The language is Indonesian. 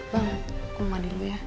bang aku mau mandi dulu ya